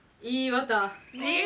いいわた。